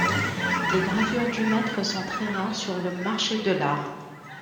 Les gravures du Maître sont très rares sur le marche de l'art.